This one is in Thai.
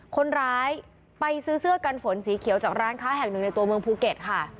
คนร้ายไปซื้อเสื้อกันฝนสีเขียวจากร้านค้าแห่งหนึ่งในตัวเมืองภูเก็ตค่ะ